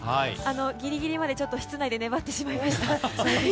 ギリギリまで室内で粘ってしまいました。